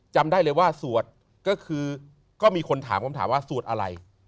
จำได้เลยว่าสวดก็คือก็มีคนถามคำถามว่าสวดอะไร